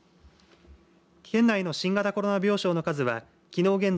県内の新型コロナ病床の数はきのう